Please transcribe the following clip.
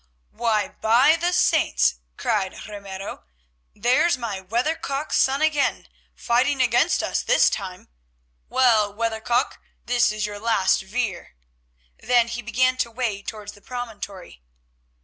"Why, by the Saints!" cried Ramiro, "there's my weather cock son again, fighting against us this time. Well, Weather cock, this is your last veer," then he began to wade towards the promontory.